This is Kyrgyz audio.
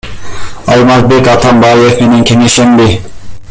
Алмазбек Атамбаев менен кеңешемби?